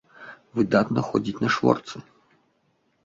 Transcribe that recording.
Выдатна ходзіць на шворцы.